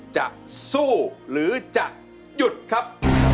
จะสู้หรือจะหยุดครับ